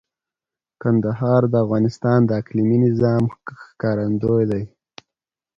کندهار د افغانستان د اقلیمي نظام ښکارندوی دی.